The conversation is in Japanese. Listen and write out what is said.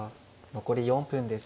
残り４分です。